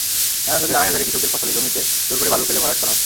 নারায়ণগঞ্জের আড়াইহাজারে কৃষকদের ফসলি জমিতে জোর করে বালু ফেলে ভরাট করা হচ্ছে।